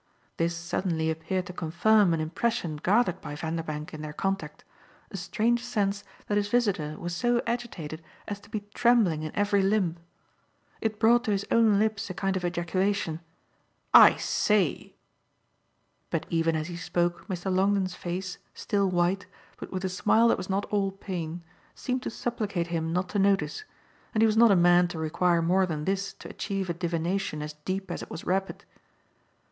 This suddenly appeared to confirm an impression gathered by Vanderbank in their contact, a strange sense that his visitor was so agitated as to be trembling in every limb. It brought to his own lips a kind of ejaculation "I SAY!" But even as he spoke Mr. Longdon's face, still white, but with a smile that was not all pain, seemed to supplicate him not to notice; and he was not a man to require more than this to achieve a divination as deep as it was rapid.